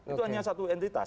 itu hanya satu entitas